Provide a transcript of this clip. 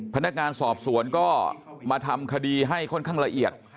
พนักงานสอบสวนก็มาทำคดีให้ค่อนข้างละเอียด